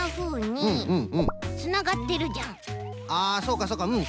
あそうかそうかうん。